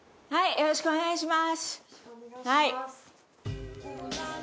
よろしくお願いします。